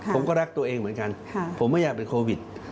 ผมก็รักตัวเองเหมือนกันผมไม่อยากเป็นโควิด